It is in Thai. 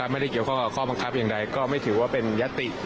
ไม่ได้เกี่ยวข้องกับข้อบังคับอย่างใดก็ไม่ถือว่าเป็นยติ